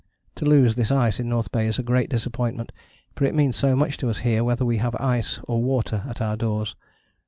To lose this ice in North Bay is a great disappointment, for it means so much to us here whether we have ice or water at our doors.